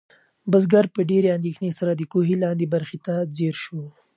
بزګر په ډېرې اندېښنې سره د کوهي لاندې برخې ته ځیر شو.